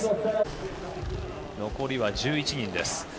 残りは１１人です。